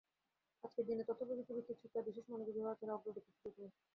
আজকের দিনে তথ্যপ্রযুক্তিভিত্তিক শিক্ষায় বিশেষ মনোযোগী হওয়া ছাড়া অগ্রগতির সুযোগ নেই।